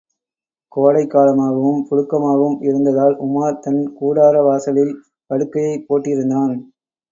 கோடைக் காலமாகவும், புழுக்கமாகவும் இருந்ததால், உமார் தன் கூடார வாசலில் படுக்கையைப் போட்டிருந்தான்.